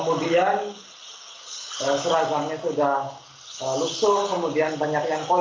maka dari itu itu kan perbatasan mas